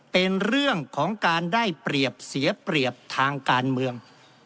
เป็นเรื่องของการได้เปรียบเสียเปรียบทางการเมือง